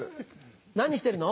何してるの？